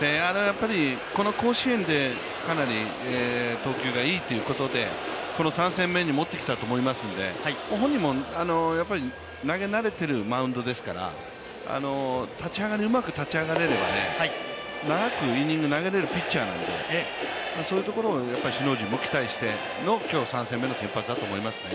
この甲子園でかなり投球がいいっていうことで、この３戦目に持ってきたと思いますので、本人も投げ慣れているマウンドですから立ち上がり、うまく立ち上がれれば長くイニング投げれるピッチャーなのでそういうところを首脳陣も期待しての今日３戦目の先発だと思いますね。